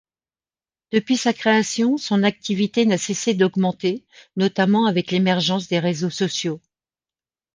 Depuis sa création, son activité n'a cessé d'augmenter, notamment avec l'émergence des réseaux sociaux.